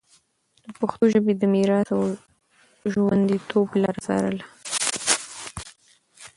د پښتو ژبي د میراث او ژونديتوب لاره څارله